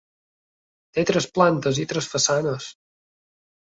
Té tres plantes i tres façanes.